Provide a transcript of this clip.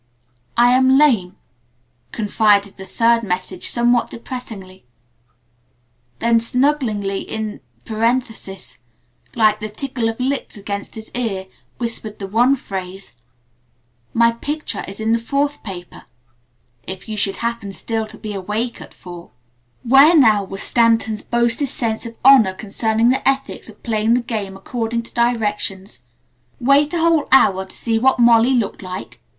"I am lame," confided the third message somewhat depressingly. Then snugglingly in parenthesis like the tickle of lips against his ear whispered the one phrase: "My picture is in the fourth paper, if you should happen still to be awake at four o'clock." Where now was Stanton's boasted sense of honor concerning the ethics of playing the game according to directions? "Wait a whole hour to see what Molly looked like?